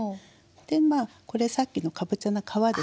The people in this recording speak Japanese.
でこれさっきのかぼちゃの皮ですね。